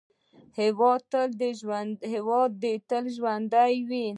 هیواد دې تل ژوندی وي.